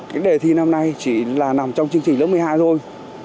cái đề thi năm nay chỉ là nằm trong chương trình lớp một mươi hai thôi